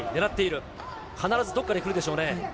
必ずどこかにくるでしょうね。